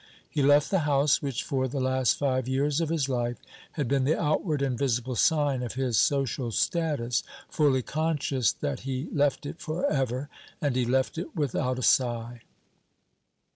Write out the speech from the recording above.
He left the house, which for the last five years of his life had been the outward and visible sign of his social status, fully conscious that he left it for ever; and he left it without a sigh.